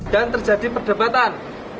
dan terjadi perdebatan